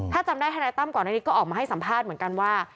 ถ้าจำได้ทนายตั้มก่อนอันนี้ก็ออกมาให้สัมภาษณ์เหมือนกันว่า